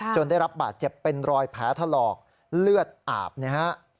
ได้รับบาดเจ็บเป็นรอยแผลถลอกเลือดอาบนะฮะ